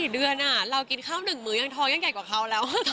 ๔เดือนเรากินข้าว๑มื้อยังท้องยังใหญ่กว่าเขาแล้ว